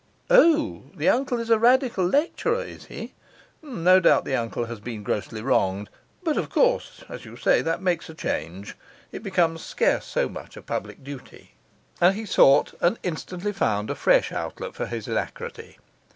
O, the uncle is a Radical lecturer, is he? No doubt the uncle has been grossly wronged. But of course, as you say, that makes a change; it becomes scarce so much a public duty.' And he sought and instantly found a fresh outlet for his alacrity.